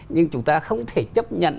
nhưng chúng ta không thể chấp nhận